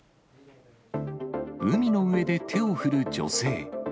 海の上で手を振る女性。